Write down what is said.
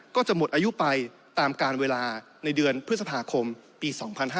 ก็จะหมดอายุไปตามการเวลาในเดือนพฤษภาคมปี๒๕๕๙